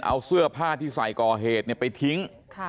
เอาเสื้อผ้าที่ใส่ก่อเหตุไปทิ้ง